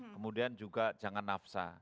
kemudian juga jangan nafsa